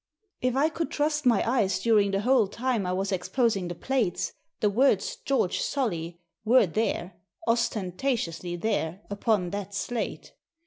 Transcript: " If I could trust my eyes, during the whole time I was exposing the plates, the words 'George Solly* were there, ostentatiously there, upon that slate.